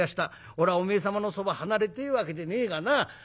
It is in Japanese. おらおめえ様のそば離れてえわけでねえがな。